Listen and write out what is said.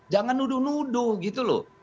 jangan nuduh nuduh gitu loh